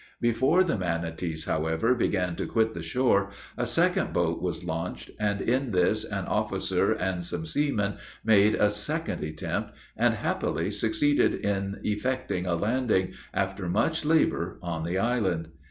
Before the manatees, however, began to quit the shore, a second boat was launched; and in this an officer and some seamen made a second attempt, and happily succeeded in effecting a landing, after much labor, on the island.